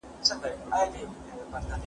د هرې مقالي لپاره جلا جوړښت پکار دی.